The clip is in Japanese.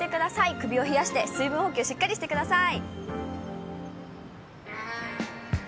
首を冷やして、水分補給しっかりしてください。